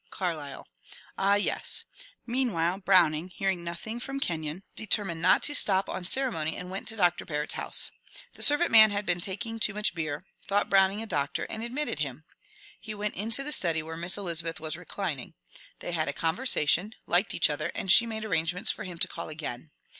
Carlyle. Ah yes, — meanwhile Browning hearing nothing from Kenyon determined not to stop on ceremony and went to Dr. Barrett's house. The servant man had been taking too much beer ; thought Browning a doctor, and admitted him. He went into the study where Miss Elizabeth was reclining. They had a conversation; liked each other; and she made arrangements for him to call again.